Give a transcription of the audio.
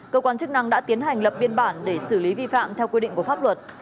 cơ quan chức năng đã tiến hành lập biên bản để xử lý vi phạm theo quy định của pháp luật